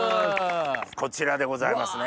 こちらでございますね。